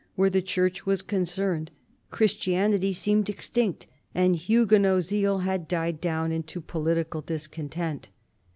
Where the Church was concerned, Christianity seemed extinct ; and Huguenot zeal had died down into political discontent.